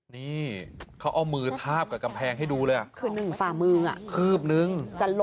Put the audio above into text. นี่เขาเอามือทาบกับกำแพงให้ดูเลยอ่ะคือหนึ่งฝ่ามืออ่ะคืบนึง